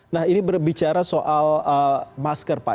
nah ini berbicara soal masker pak